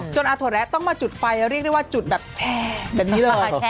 จนอาโทรแรกต้องมาจุดไฟเรียกได้ว่าจุดแบบแช่แบบนี้เลย